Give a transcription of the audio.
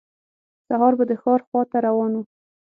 سهار به د ښار خواته روان و.